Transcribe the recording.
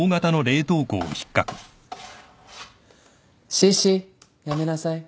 シシやめなさい。